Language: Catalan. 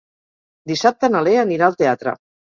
Dissabte na Lea anirà al teatre.